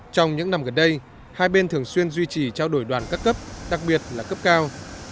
trong những năm gần đây hai bên thường xuyên duy trì trao đổi đoàn các cấp đặc biệt là cấp cao